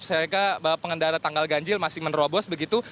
sehingga pengendara tanggal ganjil masih menerobos begitu